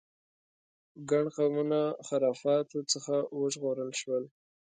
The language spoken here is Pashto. ګڼ قومونه خرافاتو څخه وژغورل شول.